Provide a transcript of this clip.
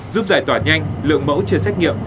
giúp giải tỏa nhanh lượng mẫu chưa xét nghiệm